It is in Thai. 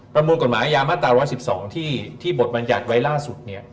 ประมูลกฎหมายยามตา๑๑๒ที่บทมัญญาณไว้ล่าสุดเนี่ย